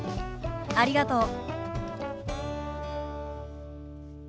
ありがとう。